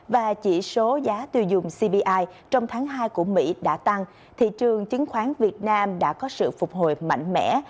và chỉ số giá tiêu dùng cbi trong tháng hai của mỹ đã tăng thị trường chứng khoán việt nam đã có sự phục hồi mạnh mẽ